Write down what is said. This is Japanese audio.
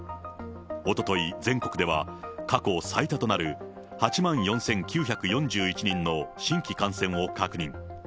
おととい、全国では過去最多となる８万４９４１人の新規感染を確認。